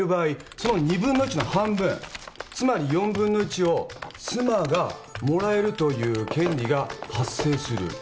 その２分の１の半分つまり４分の１を妻がもらえるという権利が発生すると。